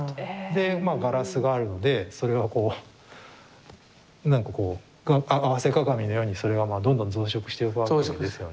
でまあガラスがあるのでそれはこう何かこう合わせ鏡のようにそれがどんどん増殖していくわけですよね。